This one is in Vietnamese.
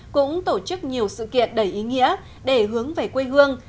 cũng tổ chức nhiều sự kiện đầy ý nghĩa để hướng về quê hương